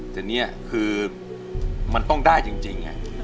แต่นี่คือมันต้องได้จริง